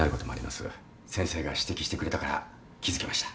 先生が指摘してくれたから気付けました。